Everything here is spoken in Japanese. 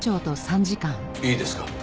いいですか。